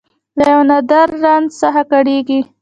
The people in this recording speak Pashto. له یو نادر رنځ څخه کړېږي